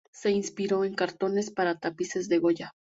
Se inspiró en cartones para tapices de Goya.